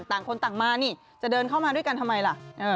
ต่างคนต่างมานี่จะเดินเข้ามาด้วยกันทำไมล่ะ